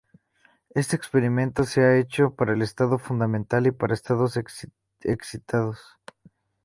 Este experimento se ha hecho para el estado fundamental y para estados excitados.